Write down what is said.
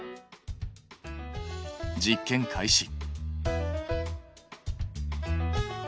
実験開始。